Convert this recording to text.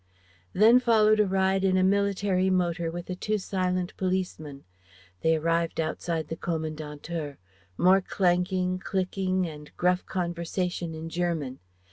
Then followed a ride in a military motor, with the two silent policemen. They arrived outside the Kommandantur.... More clanking, clicking, and gruff conversation in German.